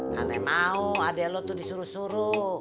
kan enggak mau adek lo tuh disuruh suruh